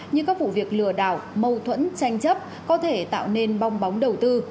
như các vụ việc lừa đảo mâu thuẫn tranh chấp có thể tạo nên bong bóng đầu tư